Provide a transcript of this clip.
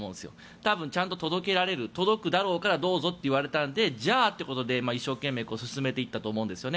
多分、ちゃんと届けられる届くだろうからどうぞと言われたのでじゃあということで一生懸命進めていったと思うんですよね。